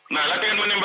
nah latihan menembak